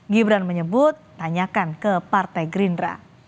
gibran menyebut tanyakan ke partai gerindra